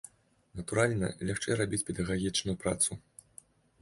Натуральна, лягчэй рабіць педагагічную працу.